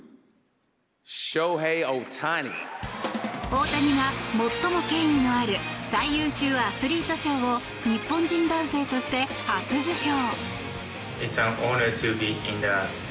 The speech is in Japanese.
大谷が最も権威のある最優秀アスリート賞を日本人男性として初受賞。